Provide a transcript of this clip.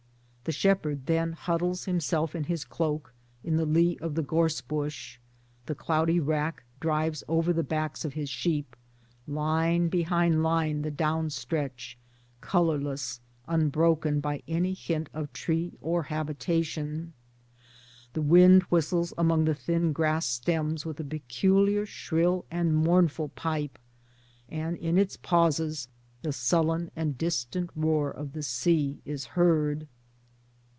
The shepherd then huddles himself in his cloak in the lee of the gorse bush, the cloudy rack drives over the backs of his sheep, line behind line the Downs stretch, colorless, unbroken by any hint of tree or habitation ; the wind whistles among the thin grass stems with a peculiar shrill and mournful pipe, and in its pauses the sullen and distant roar of the sea is heard.